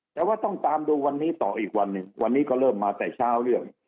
แต่ว่าต้องตามดูวันนี้ต่ออีกวันหนึ่งวันนี้ก็เริ่มมาแต่เช้าเรื่อง